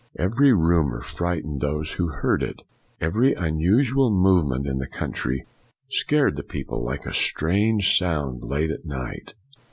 Every rumor frightened those who heard it. Every unusual movement in the country scared the people like a strange sound late at night.